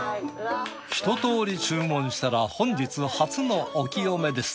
ひととおり注文したら本日初のお清めです。